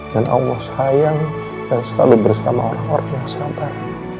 dan allah sayang dan selalu bersama orang orang yang sabar